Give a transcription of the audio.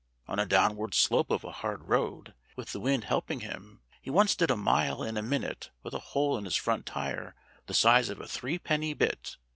On a downward slope of a hard road, with the wind helping him, he once did a mile in a minute with a hole in his front tire the size of a threepenny bit.